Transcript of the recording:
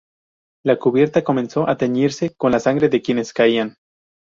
La cubierta comenzó a teñirse con la sangre de quienes caían.